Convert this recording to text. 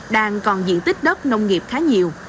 đang còn diện tích đất nông nghiệp khá nhiều